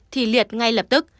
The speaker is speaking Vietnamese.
thì liệt ngay lập tức